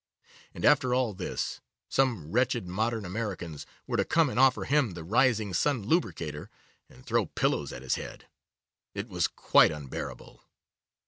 And after all this, some wretched modern Americans were to come and offer him the Rising Sun Lubricator, and throw pillows at his head! It was quite unbearable.